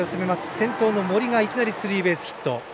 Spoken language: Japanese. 先頭の森がいきなりスリーベースヒット。